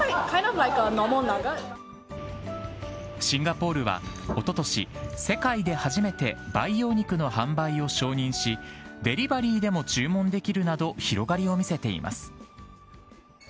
シンガポールはおととし、世界で初めて培養肉の販売を承認し、デリバリーでも注文できるなど、広がりを見せています。